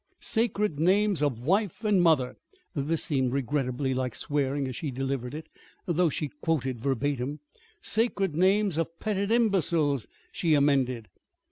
"Sacred names of wife and mother!" This seemed regrettably like swearing as she delivered it, though she quoted verbatim. "Sacred names of petted imbeciles!" she amended.